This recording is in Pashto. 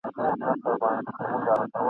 چي له پرهار څخه مي ستړی مسیحا ووینم !.